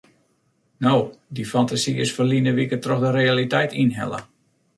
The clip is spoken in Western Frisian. No, dy fantasy is ferline wike troch de realiteit ynhelle.